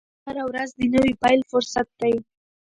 هره ورځ د نوي پیل فرصت دی.